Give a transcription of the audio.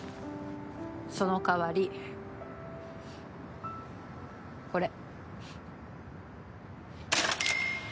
その代わり、これ。